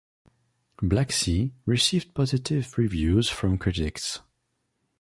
"Black Sea" received positive reviews from critics.